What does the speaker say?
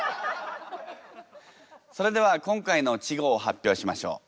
それでは今回の稚語を発表しましょう。